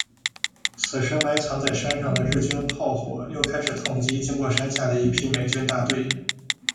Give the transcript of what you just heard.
此时埋藏在山上的日军炮火又开始痛击经过山下的一批美军大队。